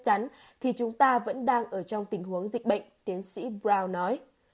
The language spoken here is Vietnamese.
chắc chắn thì chúng ta vẫn đang ở trong tình huống dịch bệnh tiến sĩ brown nói